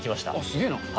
すげーな。